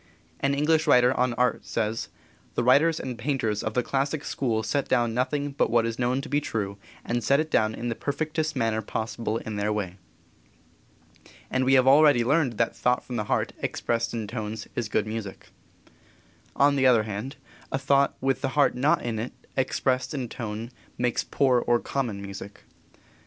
An English writer on art says: "The writers and painters of the classic school set down nothing but what is known to be true, and set it down in the perfectest manner possible in their way." And we have already learned that thought from the heart, expressed in tones, is good music. On the other hand, a thought with the heart not in it, expressed in tone, makes poor or common music.